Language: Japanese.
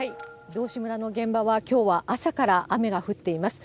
道志村の現場は、きょうは朝から雨が降っています。